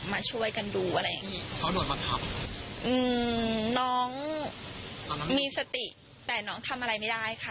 มาช่วยกันดูอะไรอย่างงี้เขาโดนมาทำอืมน้องมีสติแต่น้องทำอะไรไม่ได้ค่ะ